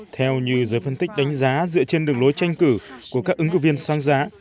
theo như giới phân tích đánh giá dựa trên đường lối tranh cử của các ứng cử viên sang giá